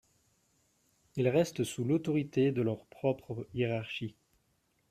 Ils restent sous l’autorité de leur propre hiérarchie.